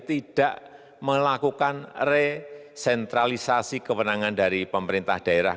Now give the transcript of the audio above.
tidak melakukan resentralisasi kewenangan dari pemerintah daerah